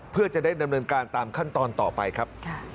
เพื่อจะได้ดำเนินการตามขั้นตอนต่อไปครับ